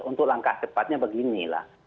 untuk langkah cepatnya beginilah